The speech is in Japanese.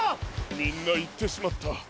みんないってしまった。